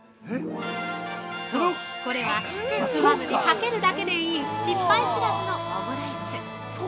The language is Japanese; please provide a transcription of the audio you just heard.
◆そう、これは包まずにかけるだけでいい、失敗知らずのオムライス！